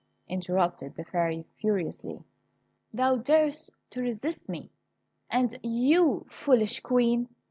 interrupted the Fairy, furiously. "Thou darest to resist me! And you, foolish Queen!